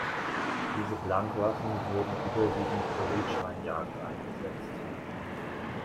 Diese Blankwaffen wurden überwiegend zur Wildschweinjagd eingesetzt.